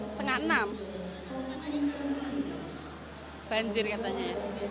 setengah enam banjir katanya